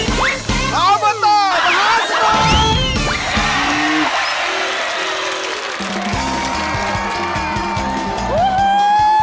อบตมหาสนุก